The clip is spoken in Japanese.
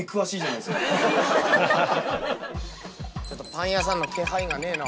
パン屋さんの気配がねえな。